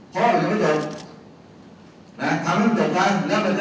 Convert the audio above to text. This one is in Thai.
ทำให้มันจบท้ายแค่นี้ประมาณภาพไม่ใช้